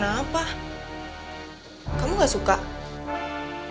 maksud aku apa kamu gak mau nunggu dulu